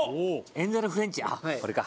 エンゼルフレンチこれか。